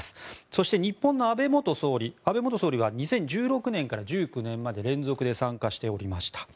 そして、日本の安倍元総理は２０１６年から１９年まで連続で参加しておりました。